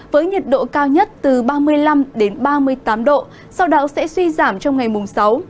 với nhiệt độ cao nhất từ ba mươi năm ba mươi tám độ sau đó sẽ suy giảm trong ngày mùng sáu